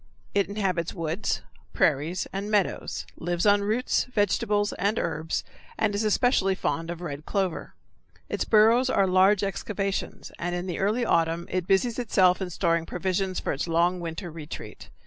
It inhabits woods, prairies, and meadows, lives on roots, vegetables, and herbs, and is especially fond of red clover. Its burrows are large excavations, and in the early autumn it busies itself in storing provisions for its long winter retreat.